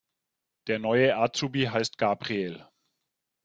Der neue Azubi heißt Gabriel.